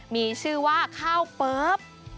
มีชื่อว่าข้าวเปิ๊บ